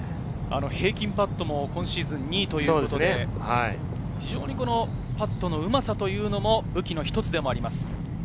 平均パットも今シーズン２位ということで、非常にパットのうまさというのも武器の一つでもあります。